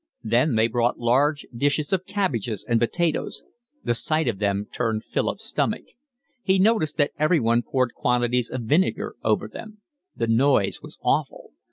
Then they brought large dishes of cabbages and potatoes; the sight of them turned Philip's stomach; he noticed that everyone poured quantities of vinegar over them. The noise was awful.